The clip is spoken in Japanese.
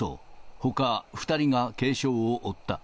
ほか２人が軽傷を負った。